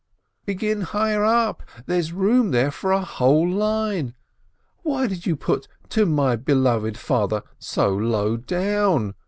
"Begin higher up ! There is room there for a whole line. Why did you put 'to my beloved Father' so low down?"